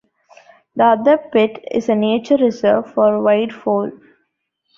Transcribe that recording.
The other pit is a nature reserve for wildfowl.